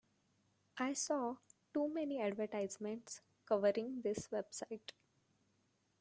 I saw too many advertisements covering this website.